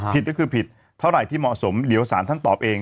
ผิดก็คือผิดเท่าไหร่ที่เหมาะสมเดี๋ยวสารท่านตอบเอง